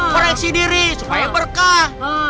koreksi diri supaya berkah